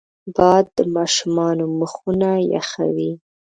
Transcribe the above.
باد د ماشومانو مخونه یخوي